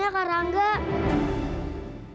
yaudah kalian tunggu tunggu ya